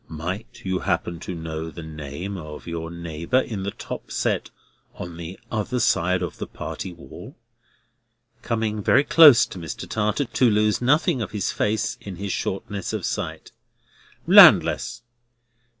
"Might you happen to know the name of your neighbour in the top set on the other side of the party wall?" coming very close to Mr. Tartar, to lose nothing of his face, in his shortness of sight. "Landless."